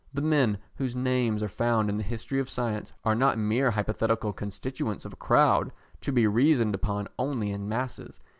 The men whose names are found in the history of science are not mere hypothetical constituents of a crowd, to be reasoned upon only in masses.